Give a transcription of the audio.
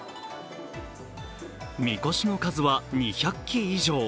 神輿の数は２００基以上。